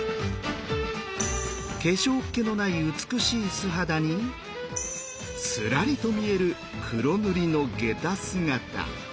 化粧っけのない美しい素肌にすらりと見える黒塗りのげた姿。